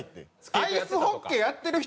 アイスホッケーやってる人